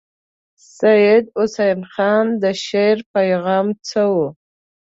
سید حسن خان د شعر پیغام څه وو.